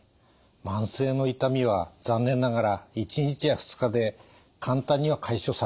慢性の痛みは残念ながら１日や２日で簡単には解消されません。